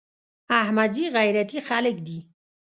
احمدزي غيرتي خلک دي.